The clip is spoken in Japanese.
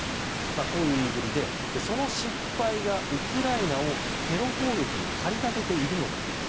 こういう言いぶりでその失敗がウクライナをテロ攻撃に駆り立てているのだと。